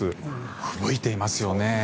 ふぶいていますよね。